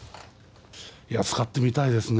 いや使ってみたいですね